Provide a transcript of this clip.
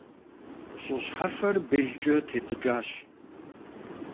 ЩӀы щхьэфэр белкӀэ тетӀыкӀащ.